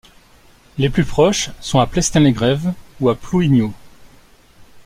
Les plus proches sont à Plestin-les-Grèves ou à Plouigneau.